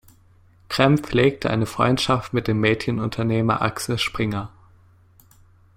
Kremp pflegte eine Freundschaft mit dem Medienunternehmer Axel Springer.